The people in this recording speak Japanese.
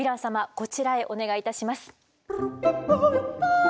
こちらへお願いいたします。